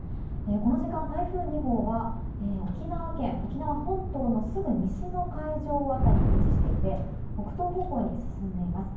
この時間、台風２号は沖縄本島のすぐ西の海上辺りに位置していて北東方向に進んでいます。